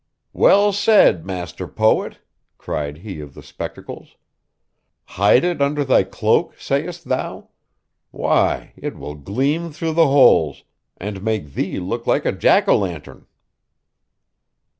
'Well said, Master Poet!' cried he of the spectacles. 'Hide it under thy cloak, sayest thou? Why, it will gleam through the holes, and make thee look like a jack o' lantern!